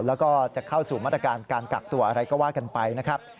แล้วก็จะเข้าสู่มาตรการการกักตัวอะไรก็ว่ากันไปนะครับ